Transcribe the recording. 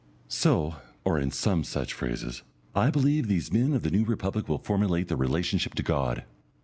So, or in some such phrases, I believe, these men of the New Republic will formulate their relationship to God.